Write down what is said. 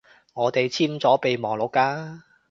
我哋簽咗備忘錄㗎